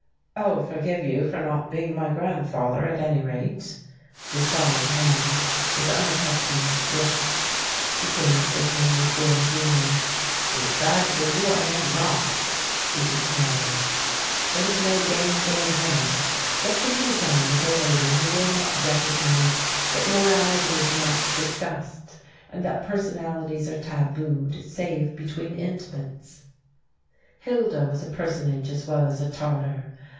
"I'll forgive you for not being my grandfather, at any rate," replied Ham, with unaccustomed wit. She gazed at him with grim humour. "It is bad for you I am not," she declared. There was no gainsaying her. What can be done with a lady who will not recognize that morality is not discussed, and that personalities are tabooed save between intimates. Hilda was a personage as well as a Tartar.